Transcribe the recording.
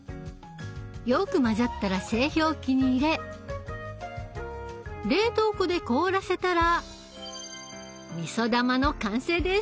よく混ざったら製氷器に入れ冷凍庫で凍らせたらみそ玉の完成です！